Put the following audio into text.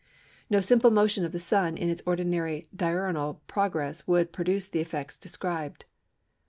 No simple motion of the Sun in its ordinary diurnal progress would produce the effect described.